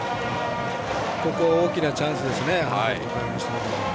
ここは大きなチャンスですね花咲徳栄からすれば。